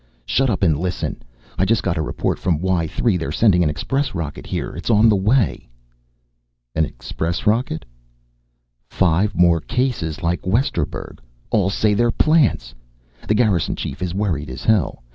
"Shut up and listen. I just got a report from Y 3. They're sending an express rocket here. It's on the way." "An express rocket?" "Five more cases like Westerburg. All say they're plants! The Garrison Chief is worried as hell.